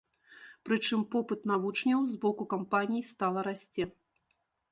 Прычым попыт на вучняў з боку кампаній стала расце.